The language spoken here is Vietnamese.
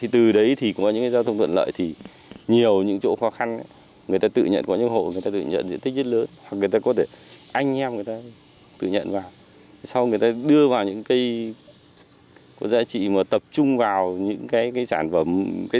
do đi thăm quan nhiều mô hình mình cũng rất tâm huyết và muốn đặt mức thu nhập từ bốn trăm năm mươi đến năm trăm linh triệu đồng một hectare